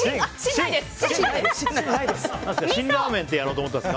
シンラーメンやろうと思ったんですか？